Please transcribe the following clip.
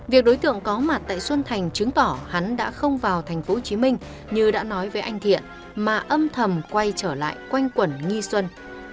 việc đối tượng có mặt tại xuân thành chứng tỏ hắn đã không vào tp hcm như đã nói với anh thiện mà âm thầm quay trở lại quanh quẩn nghi xuân